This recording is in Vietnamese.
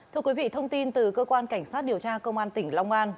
thưa quý vị thông tin từ cơ quan cảnh sát điều tra công an tỉnh long an